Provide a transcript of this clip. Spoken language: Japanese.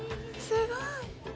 すごい。